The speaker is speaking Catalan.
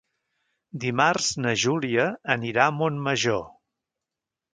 Dimarts na Júlia anirà a Montmajor.